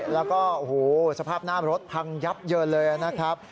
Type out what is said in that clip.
แล้วก็โอ้โหสภาพหน้ารถพังยับเยินเลยนะครับ